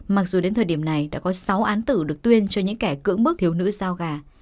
mặc dù đến thời điểm này đã có sáu án tử được tuyên cho những kẻ cưỡng bức thiếu nữ giao gà